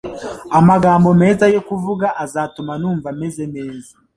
amagambo meza yo kuvuga azatuma numva meze neza